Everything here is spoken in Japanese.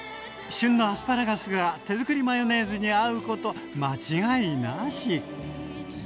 旬のアスパラガスが手づくりマヨネーズに合うこと間違いなし！